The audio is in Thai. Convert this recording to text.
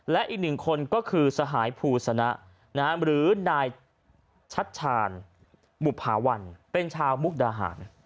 และอีกหนึ่งคนก็คือสหายภูสนะหรือนายชัดชาญบุภาวันเป็นชาวมุกดาหาร